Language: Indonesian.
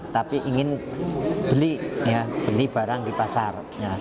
tapi ingin beli barang di pasar